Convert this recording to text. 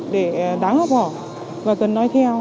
để đáng học hỏi và cần nói theo